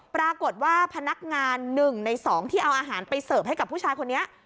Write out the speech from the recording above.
พนักงาน๑ใน๒ที่เอาอาหารไปเสิร์ฟให้กับผู้ชายคนนี้